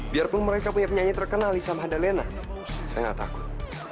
biarpun mereka punya penyanyi terkenal lisa mahdalena saya nggak takut